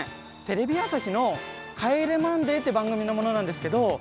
テレビ朝日の『帰れマンデー』って番組の者なんですけど。